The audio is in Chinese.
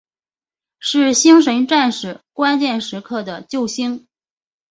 是星神战士关键时刻时的救星。